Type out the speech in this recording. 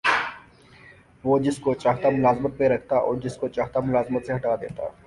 وہ جس کو چاہتا ملازمت پر رکھتا اور جس کو چاہتا ملازمت سے ہٹا دیتا